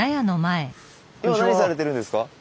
今何されてるんですか？